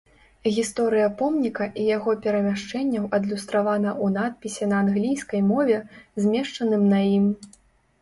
Гісторыя помніка і яго перамяшчэнняў адлюстравана ў надпісе на англійскай мове, змешчаным на ім.